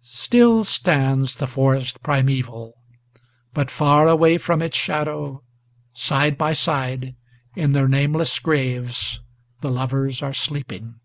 STILL stands the forest primeval; but far away from its shadow, Side by side, in their nameless graves, the lovers are sleeping.